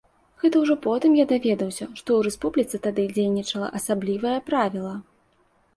Гэта ўжо потым я даведаўся, што ў рэспубліцы тады дзейнічала асаблівае правіла.